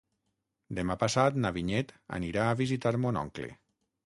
Demà passat na Vinyet anirà a visitar mon oncle.